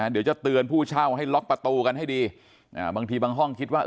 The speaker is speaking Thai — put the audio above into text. เดี๋ยวจะเตือนผู้เช่าให้ล็อกประตูกันให้ดีบางทีบางห้องคิดว่า